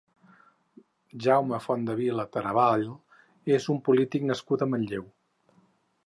Jaume Fontdevila Tarabal és un polític nascut a Manlleu.